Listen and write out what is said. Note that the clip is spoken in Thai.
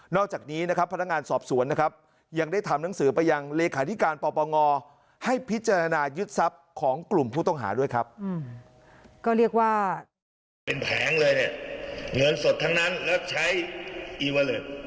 นอกจากนี้นะครับพนักงานสอบสวนนะครับยังได้ทำหนังสือไปอย่างเลยริกาธิการปรปรงร